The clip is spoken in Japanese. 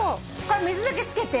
水だけつけて。